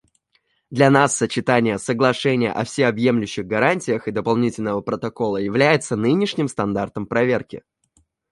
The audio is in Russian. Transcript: Для нас сочетание Соглашения о всеобъемлющих гарантиях и Дополнительного протокола является нынешним стандартом проверки.